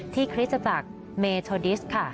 ที่คริสต์จักรเมธอดิสต์ค่ะ